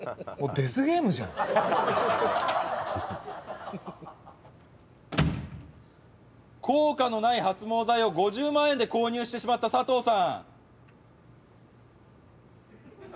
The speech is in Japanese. もうデスゲームじゃん効果のない発毛剤を５０万円で購入してしまったサトウさん